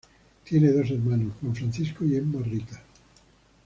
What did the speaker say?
Tiene dos hermanos, Juan Francisco y Emma Rita.